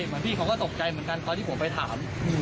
เหมือนพี่เขาก็ตกใจเหมือนกันตอนที่ผมไปถาม